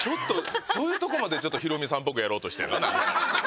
そういうとこまでヒロミさんっぽくやろうとしてるな。